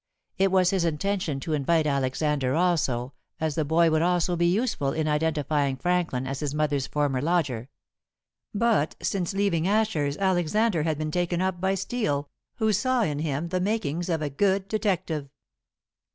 It was his intention to invite Alexander also, as the boy would also be useful in identifying Franklin as his mother's former lodger; but since leaving Asher's Alexander had been taken up by Steel, who saw in him the makings of a good detective.